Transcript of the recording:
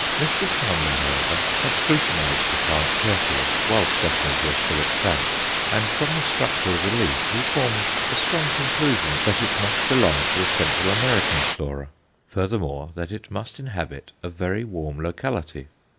Mr. Sander, however, had scrutinized the plant carefully, while specimens were still extant, and from the structure of the leaf he formed a strong conclusion that it must belong to the Central American flora; furthermore, that it must inhabit a very warm locality.